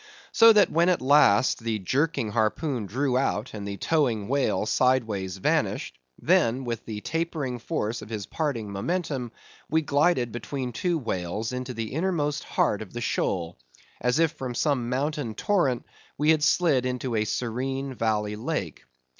So that when at last the jerking harpoon drew out, and the towing whale sideways vanished; then, with the tapering force of his parting momentum, we glided between two whales into the innermost heart of the shoal, as if from some mountain torrent we had slid into a serene valley lake.